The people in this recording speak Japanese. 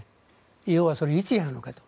要はそれをいつやるのかと。